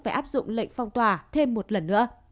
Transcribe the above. phải áp dụng lệnh phong tỏa thêm một lần nữa